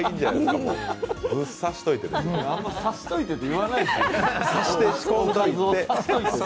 あんま差しといてって言わないで。